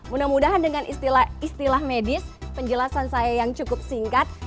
mudah mudahan dengan istilah medis penjelasan saya yang cukup singkat